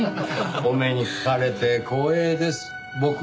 お目にかかれて光栄です僕。